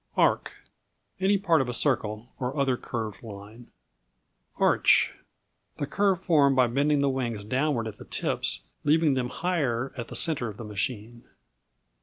Arc Any part of a circle, or other curved line. Arch The curve formed by bending the wings downward at the tips, leaving them higher at the centre of the machine.